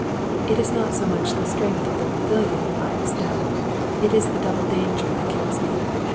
It is not so much the strength of the pavilion I mis doubt; it is the double danger that kills me.